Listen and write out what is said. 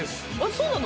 そうなの？